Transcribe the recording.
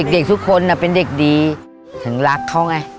เด็กทุกคนเป็นเด็กดีถึงรักเขาไง